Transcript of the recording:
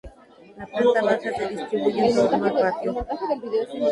La planta baja se distribuye en torno al patio.